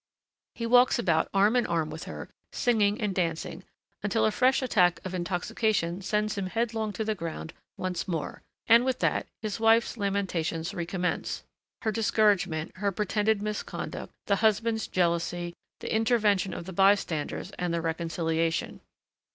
He walks about arm in arm with her, singing and dancing, until a fresh attack of intoxication sends him headlong to the ground once more: and with that his wife's lamentations recommence, her discouragement, her pretended misconduct, the husband's jealousy, the intervention of the bystanders, and the reconciliation.